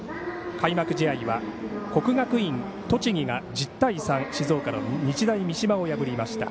開幕試合は国学院栃木が１０対３で静岡の日大三島を破りました。